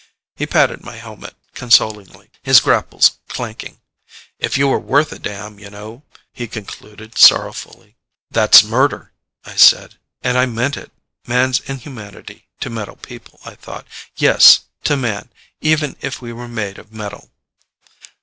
He patted my helmet, consolingly, his grapples clanking. "If you were worth a damn, you know " he concluded sorrowfully. "That's murder," I said. And I meant it. Man's inhumanity to metal people, I thought. Yes to man, even if we were made of metal.